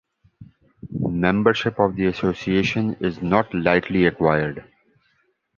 Membership of the association is not lightly acquired.